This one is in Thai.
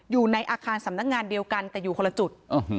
อยู่ในอาคารสำนักงานเดียวกันแต่อยู่คนละจุด